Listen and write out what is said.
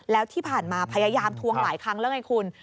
แล้วที่ผ่านมาพยายามทวงหลายครั้งแล้วไงคุณ